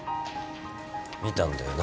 見たんだよな？